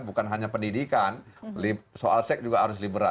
bukan hanya pendidikan soal seks juga harus liberal